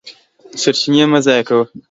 سرچینې مه ضایع کوه.